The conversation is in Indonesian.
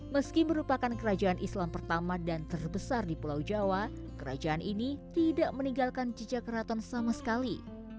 meski merupakan kerajaan islam pertama dan terbesar di pulau jawa kerajaan ini tidak meninggalkan jejak keraton sama sekali